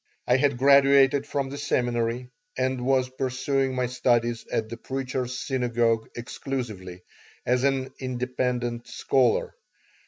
I had graduated from the seminary and was pursuing my studies at the Preacher's Synagogue exclusively, as an "independent scholar."